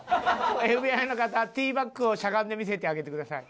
ＦＢＩの方Ｔバックをしゃがんで見せてあげてください。